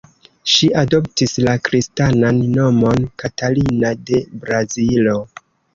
Ŝi adoptis la kristanan nomon "Katarina de Brazilo".